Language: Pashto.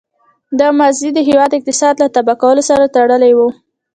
دا ماضي د هېواد اقتصاد له تباه کولو سره تړلې وه.